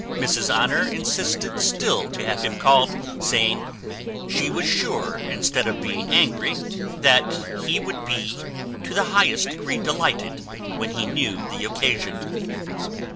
Mrs Honour insisted still to have him called, saying, "she was sure, instead of being angry, that he would be to the highest degree delighted when he knew the occasion."